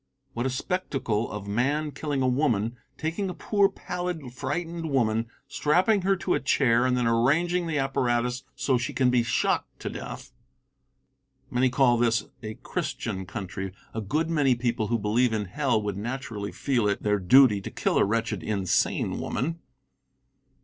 What a spectacle of man killing a woman taking a poor, pallid, frightened woman, strapping her to a chair and then arranging the apparatus so she can be shocked to death. Many call this a Christian country. A good many people who believe in hell would naturally feel it their duty to kill a wretched, insane woman.